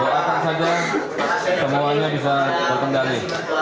doakan saja semuanya bisa terkendali